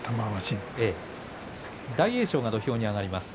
大栄翔が土俵上に上がります。